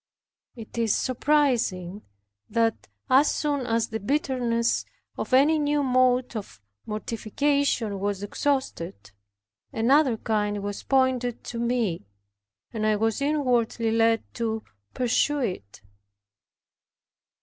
It is surprising, that as soon as the bitterness of any new mode of mortification was exhausted, another kind was pointed to me, and I was inwardly led to pursue it.